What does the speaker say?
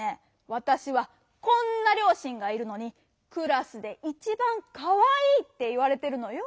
わたしは「こんなりょうしんがいるのにクラスで一ばんかわいい」っていわれてるのよ。